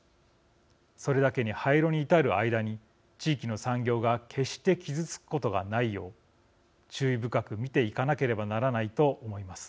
それだけに廃炉に至る間に地域の産業が決して傷つくことがないよう注意深く見ていかなければならないと思います。